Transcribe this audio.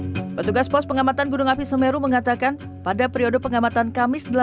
hai petugas pos pengamatan gunung api semeru mengatakan pada periode pengamatan kamis delapan